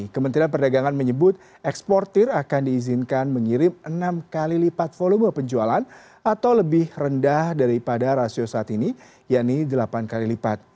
kementerian perdagangan menyebut eksportir akan diizinkan mengirim enam kali lipat volume penjualan atau lebih rendah daripada rasio saat ini yaitu delapan kali lipat